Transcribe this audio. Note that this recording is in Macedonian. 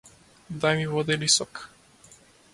Дај ми вода или сок.